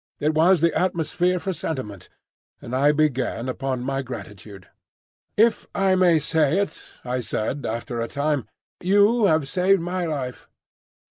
It was the atmosphere for sentiment, and I began upon my gratitude. "If I may say it," said I, after a time, "you have saved my life."